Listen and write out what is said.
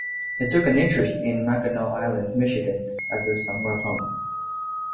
He took an interest in Mackinac Island, Michigan as a summer home.